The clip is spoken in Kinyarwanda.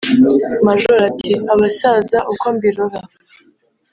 Majoro ati: "Abasaza uko mbirora,